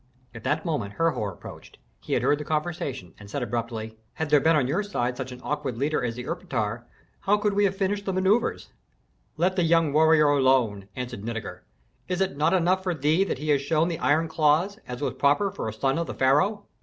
At that moment Herhor approached. He had heard the conversation, and said abruptly, "Had there been on your side such an awkward leader as the erpatr, how could we have finished the manœuvres?" "Let the young warrior alone!" answered Nitager. "Is it not enough for thee that he has shown the iron claws, as was proper for a son of the pharaoh?"